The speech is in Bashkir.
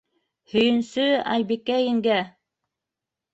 - Һөйөнсө, Айбикә еңгә!